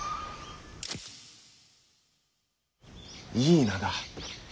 いい名だ。